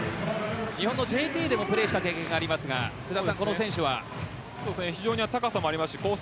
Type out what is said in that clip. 日本のＪＴでもプレーした経験がありますが非常に高さもありますしコース